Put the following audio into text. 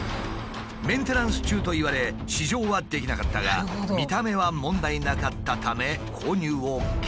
メンテナンス中と言われ試乗はできなかったが見た目は問題なかったため購入を決意。